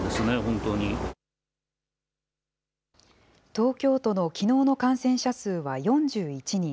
東京都のきのうの感染者数は４１人。